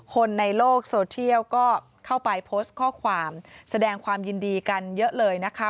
คนในโลกโซเทียลก็เข้าไปโพสต์ข้อความแสดงความยินดีกันเยอะเลยนะคะ